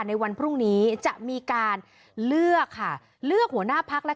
ในวันพรุ่งนี้จะมีการเลือกค่ะเลือกหัวหน้าพักและ